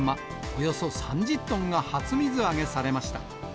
およそ３０トンが初水揚げされました。